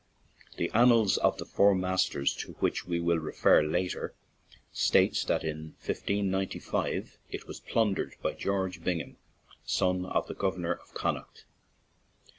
The Annals of the Four Masters (to which we will refer later), states that in 1595 it was plundered by George Bingham, son of the Governor of Connaught.